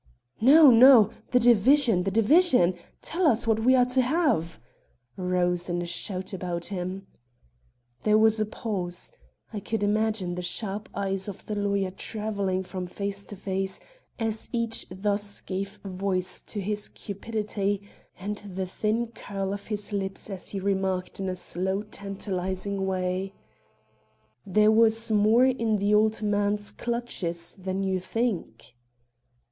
"No, no! The division! the division! Tell us what we are to have!" rose in a shout about him. There was a pause. I could imagine the sharp eyes of the lawyer traveling from face to face as each thus gave voice to his cupidity, and the thin curl of his lips as he remarked in a slow tantalizing way: "There was more in the old man's clutches than you think."